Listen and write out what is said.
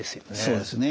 そうですね。